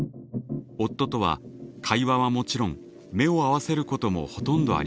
夫とは会話はもちろん目を合わせることもほとんどありません。